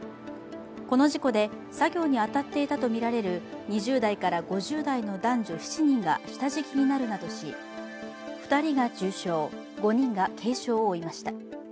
この事故で作業に当たっていたとみられる２０代から５０代の男女７人が下敷きになるなどし、２人が重傷５人が軽傷を負いました。